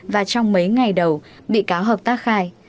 và trong mấy ngày đầu bị cáo hợp tác khai